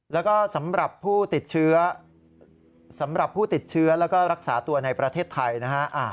แล้วก็สำหรับผู้ติดเชื้อสำหรับผู้ติดเชื้อแล้วก็รักษาตัวในประเทศไทยนะฮะ